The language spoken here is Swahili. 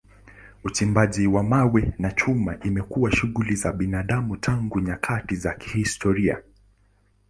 Uchimbaji wa mawe na chuma imekuwa shughuli za binadamu tangu nyakati za kihistoria.